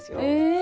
え！